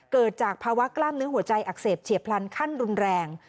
เกิดจากภาวะกล้ามเนื้อหัวใจอักเสบเฉียบพลันขั้นรุนแรง